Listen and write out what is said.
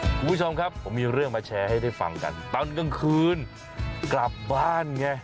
คุณผู้ชมครับผมมีเรื่องมาแชร์ให้ได้ฟังกันตอนกลางคืนกลับบ้านไง